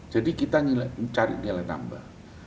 jadi kita cari nilai tambah